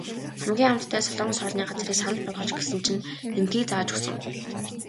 Хамгийн амттай солонгос хоолны газрыг санал болгооч гэсэн чинь эндхийг зааж өгсөн.